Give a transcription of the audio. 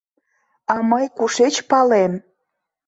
— А мый кушеч палем.